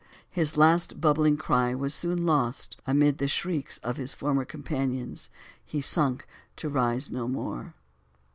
His last bubbling cry was soon lost amidst the shrieks of his former companions, he sunk to rise no more.